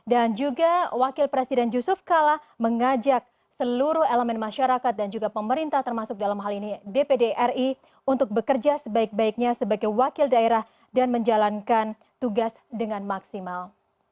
dan juga wakil presiden yusuf kala mengajak seluruh elemen masyarakat dan juga pemerintah termasuk dalam hal ini dpd ri untuk bekerja sebaik baiknya sebagai wakil daerah dan menjalankan tugas dengan maksimal